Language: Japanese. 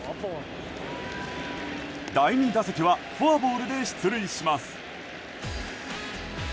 第２打席はフォアボールで出塁します。